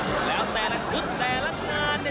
แล้วแต่ละชุดแต่ละงาน